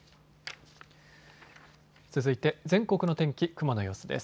続いて全国の天気、雲の様子です。